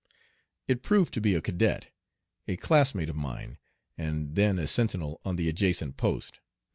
It proved to be a cadet, a classmate of mine, and then a sentinel on the adjacent post, No.